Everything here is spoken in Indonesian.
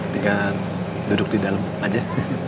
tinggal duduk di dalam aja